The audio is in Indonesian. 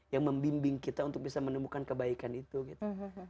yang membimbing kita untuk bisa menemukan kebaikan itu gitu